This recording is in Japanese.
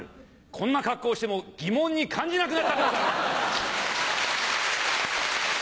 こんな格好をしても疑問に感じなくなったでござる。